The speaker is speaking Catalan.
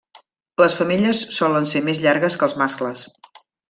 Les femelles solen ser més llargues que els mascles.